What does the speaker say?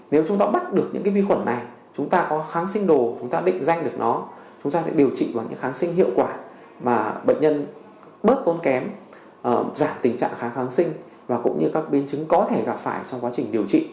nếu chúng ta bắt được những vi khuẩn này chúng ta có kháng sinh đồ chúng ta định danh được nó chúng ta sẽ điều trị bằng những kháng sinh hiệu quả mà bệnh nhân bớt tốn kém giảm tình trạng kháng kháng sinh và cũng như các biến chứng có thể gặp phải trong quá trình điều trị